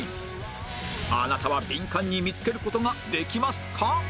あなたはビンカンに見つける事ができますか？